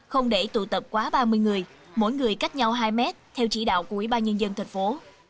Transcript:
không để tụ tập quá ba mươi người mỗi người cách nhau hai mét theo chỉ đạo của ủy ban nhân dân thành phố